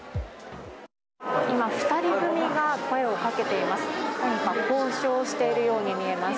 今、２人組が声をかけています。